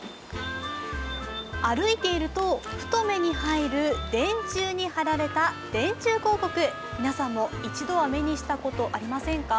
歩いていると、ふと目に入る電柱に貼られた電柱広告、皆さんも一度は目にしたことありませんか？